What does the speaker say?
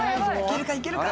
いけるか？